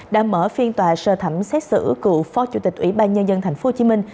đã mở phiên tòa sơ thẩm xét xử cựu phó chủ tịch ủy ban nhân dân thành phố hồ chí minh